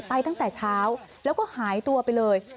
ตั้งแต่เช้าแล้วก็หายตัวไปเลย